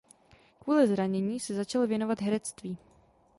Kvůli zranění se začal věnovat herectví.